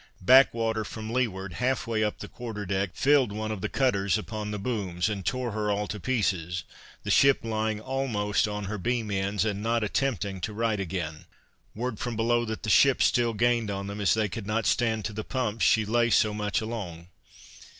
Back water from leeward, half way up the quarter deck; filled one of the cutters upon the booms, and tore her all to pieces; the ship lying almost on her beam ends, and not attempting to right again. Word from below that the ship still gained on them, as they could not stand to the pumps, she lay so much along.